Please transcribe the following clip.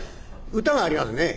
「歌がありますね？」。